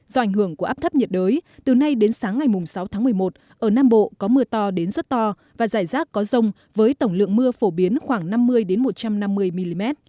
do ảnh hưởng của áp thấp nhiệt đới từ nay đến sáng ngày sáu tháng một mươi một ở nam bộ có mưa to đến rất to và giải rác có rông với tổng lượng mưa phổ biến khoảng năm mươi một trăm năm mươi mm